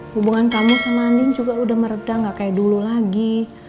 hubungan kamu sama andin juga udah meredah gak kayak dulu lagi